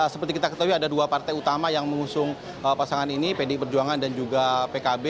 seperti kita ketahui ada dua partai utama yang mengusung pasangan ini pdi perjuangan dan juga pkb